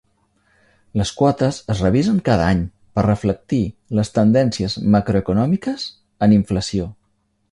Les quotes es revisen cada any per reflectir les tendències macroeconòmiques en inflació.